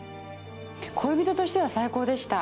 恋人としては最高でした。